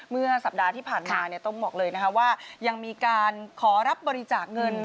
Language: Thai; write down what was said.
เมื่อสัปดาห์ที่ผ่านมาต้องบอกเลยนะคะว่ายังมีการขอรับบริจาคเงิน